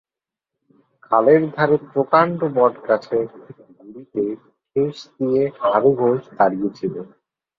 খালের ধারে প্রকান্ড বটগাছের গুড়িতে ঠেস দিয়া হারু ঘোষ দাড়াইয়া ছিল।